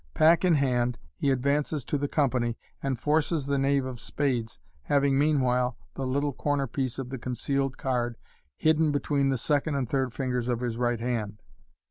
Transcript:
Pack in hand, he advances to the company, and "forces" the knave of spades, having, meanwhile, the little corner piece of the concealed card hidden between the second and third fingers of his right hand.